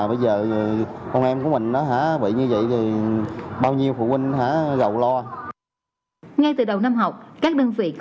bây giờ con em của mình đó hả bị như vậy thì bao nhiêu phụ huynh hả dầu lo ngay từ đầu năm học các